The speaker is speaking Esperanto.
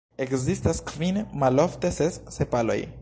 Ekzistas kvin (malofte ses) sepaloj.